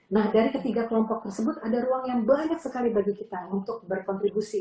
nah dari ketiga kelompok tersebut ada ruang yang banyak sekali bagi kita untuk berkontribusi